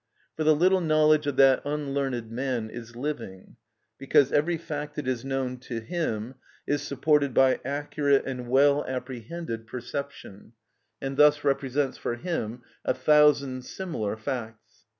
For the little knowledge of that unlearned man is living, because every fact that is known to him is supported by accurate and well apprehended perception, and thus represents for him a thousand similar facts.